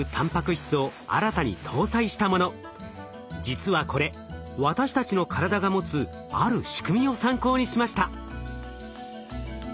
実はこれ私たちの体が持つある仕組みを参考にしました。